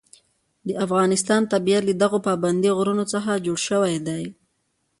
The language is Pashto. د افغانستان طبیعت له دغو پابندي غرونو څخه جوړ شوی دی.